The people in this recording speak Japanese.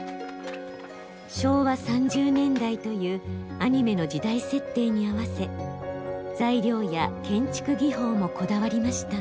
昭和３０年代というアニメの時代設定に合わせ材料や建築技法もこだわりました。